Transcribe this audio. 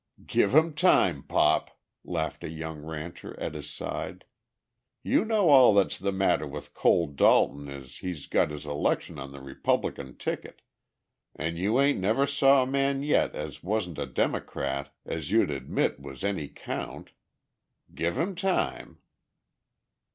"Give him time, Pop," laughed a young rancher at his side. "You know all that's the matter with Cole Dalton is he's got his election on the Republican ticket, an' you ain't never saw a man yet as wasn't a Demmycrat as you'd admit was any 'count. Give him time.